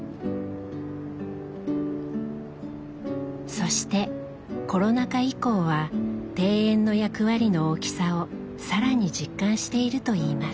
そしてコロナ禍以降は庭園の役割の大きさを更に実感しているといいます。